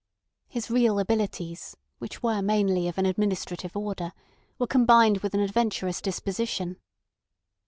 His real abilities, which were mainly of an administrative order, were combined with an adventurous disposition.